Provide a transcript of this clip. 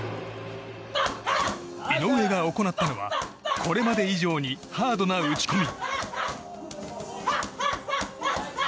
井上が行ったのはこれまで以上にハードな打ち込み。